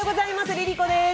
ＬｉＬｉＣｏです。